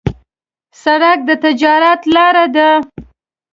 سړک د تجارت لار ده.